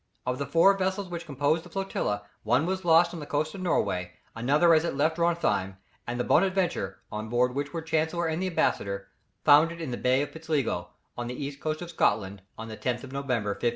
Of the four vessels which composed the flotilla, one was lost on the coast of Norway, another as it left Drontheim, and the Bonaventure, on board of which were Chancellor and the ambassador, foundered in the Bay of Pitsligo, on the east coast of Scotland on the 10th of November, 1556.